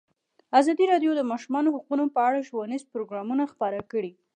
ازادي راډیو د د ماشومانو حقونه په اړه ښوونیز پروګرامونه خپاره کړي.